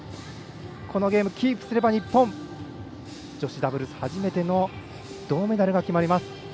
このゲームをキープすれば日本、女子ダブルス初めての銅メダルが決まります。